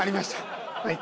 はい。